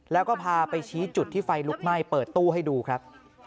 แล้วก็พาไปชี้จุดที่ไฟลุกไหม้เปิดตู้ให้ดูครับ